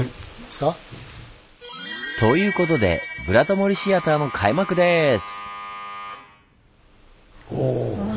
ということでブラタモリシアターの開幕です！